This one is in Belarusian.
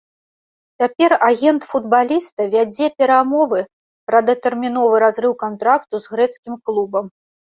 Цяпер агент футбаліста вядзе перамовы пра датэрміновы разрыў кантракту з грэцкім клубам.